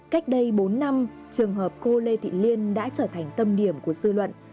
cách đây bốn năm trường hợp cô lê thị liên đã trở thành tâm điểm của dư luận